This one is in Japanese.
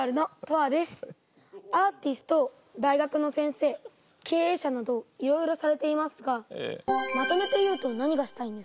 アーティスト大学の先生経営者などいろいろされていますがまとめて言うと何がしたいんですか？